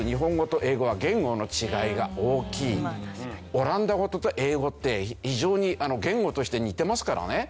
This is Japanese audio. オランダ語と英語って非常に言語として似てますからね。